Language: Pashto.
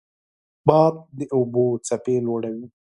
باد د اوبو څپې لوړوي